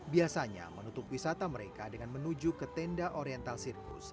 biasanya menutup wisata mereka dengan menuju ke tenda oriental sirkus